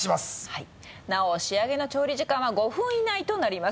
はいなお仕上げの調理時間は５分以内となります